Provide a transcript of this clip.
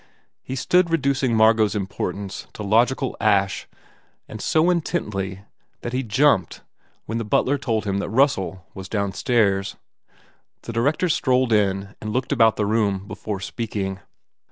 He stood reducing Margot s importance to logical ash and so intently that he jumped when the butler told him that Russell was downstairs. The director strolled in and looked about the room before speaking.